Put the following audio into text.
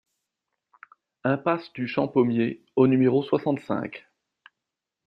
Impasse du Champ Pommier au numéro soixante-cinq